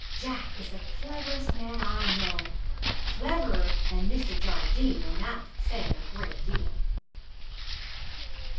Jack is the cleverest man I know cleverer than Mr. Jardine, and that's saying a great deal.'